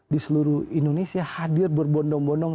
di seluruh indonesia hadir berbondong bondong